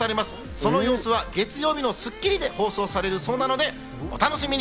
その様子は月曜日の『スッキリ』で放送されるそうなので、お楽しみに。